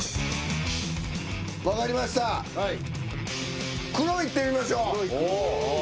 分かりました黒いってみましょう。